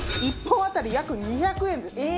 １本当たり約２００円です。